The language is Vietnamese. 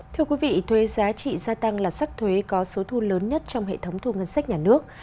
thưa quý vị thuê giá trị gia tăng là sắc thuế có số thu lớn nhất trong hệ thống thu ngân sách nhà nước